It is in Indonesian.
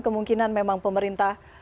kemungkinan memang pemerintah